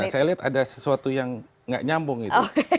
saya lihat ada sesuatu yang nggak nyambung itu